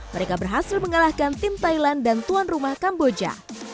mereka berhasil mengalahkan tim thailand dan tuan rumah kamboja